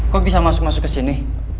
kok bisa masuk masuk kesini